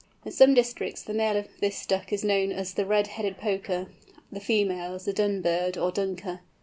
In some districts the male of this Duck is known as the "Red headed Poker," the female as the "Dunbird" or "Dunker."